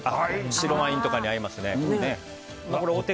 白ワインとかに合いますね。